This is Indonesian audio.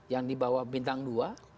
yang di bawah bintang dua